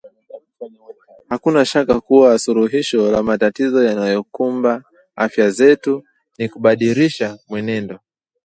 Hakuna shaka kuwa suluhisho la matatizo yanayokumba afya zetu ni kubadilisha mwenendo